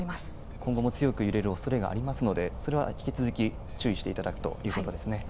今後も強く揺れるおそれがありますので引き続き注意していただくということですね。